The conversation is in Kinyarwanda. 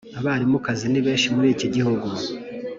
abarimukazi ni benshi muri ki gihugu